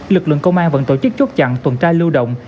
lực lượng công an vẫn tổ chức chốt chặn tuần tra lưu động